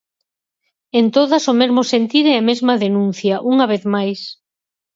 En todas o mesmo sentir e a mesma denuncia, unha vez máis.